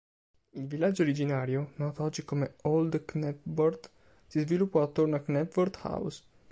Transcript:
Il villaggio originario, noto oggi come Old Knebworth, si sviluppò attorno a Knebworth House.